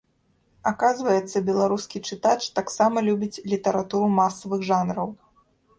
Аказваецца, беларускі чытач таксама любіць літаратуру масавых жанраў.